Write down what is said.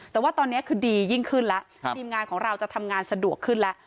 แต่ว่าตอนนี้คือดียิ่งขึ้นแล้วทีมงานของเราจะทำงานสะดวกขึ้นแล้ว